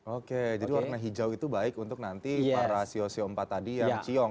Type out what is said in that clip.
oke jadi warna hijau itu baik untuk nanti para sio sio empat tadi yang ciong